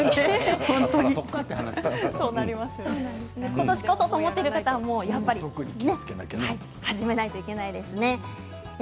今年こそと思ってる方は特に始めないといけないですね。